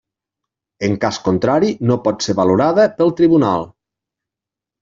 En cas contrari, no pot ser valorada pel tribunal.